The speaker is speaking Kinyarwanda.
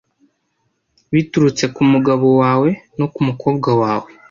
biturutse ku mugabo wawe no ku mukobwa wawe